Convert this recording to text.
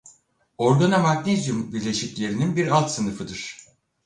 Organomagnezyum bileşiklerinin bir alt sınıfıdır.